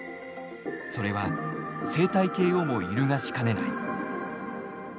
それは生態系をも揺るがしかねない。